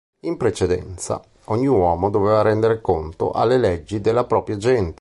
In precedenza, ogni uomo doveva rendere conto alle leggi della propria gente.